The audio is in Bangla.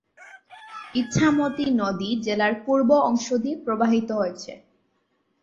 ইছামতি নদী জেলার পূর্ব অংশ দিয়ে প্রবাহিত হয়েছে।